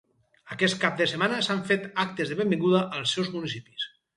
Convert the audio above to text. Aquest cap de setmana s’han fet actes de benvinguda als seus municipis.